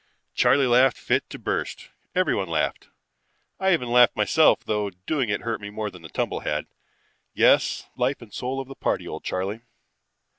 Charley laughed fit to bust, everyone laughed, I even laughed myself though doing it hurt me more than the tumble had. Yes, life and soul of the party, old Charley